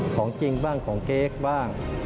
ของจริงบ้างของเก๊กบ้าง